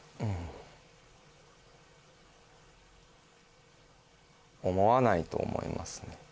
うん思わないと思いますね